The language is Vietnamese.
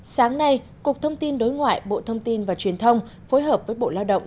sáng nay cục thông tin đối ngoại bộ thông tin và truyền thông phối hợp với bộ lao động